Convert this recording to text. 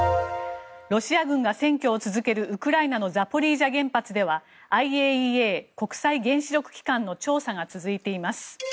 ロシア軍が占拠を続けるウクライナのザポリージャ原発ではＩＡＥＡ・国際原子力機関の調査が続いています。